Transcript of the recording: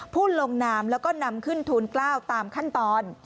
ผู้ลงนามแล้วก็นำขึ้นทูล๙ตามขั้นตอน